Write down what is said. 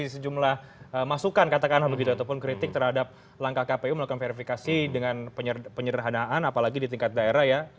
sejumlah masukan katakanlah begitu ataupun kritik terhadap langkah kpu melakukan verifikasi dengan penyederhanaan apalagi di tingkat daerah ya